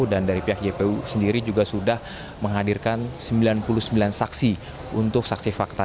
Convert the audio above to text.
dan dari pihak jpu sendiri juga sudah menghadirkan sembilan puluh sembilan saksi untuk saksi fakta